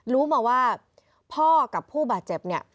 รู้มาว่าพ่อกับผู้บาดเจ็บเนี่ย